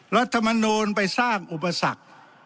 รัฐมนูลไปสร้างอุปสรรค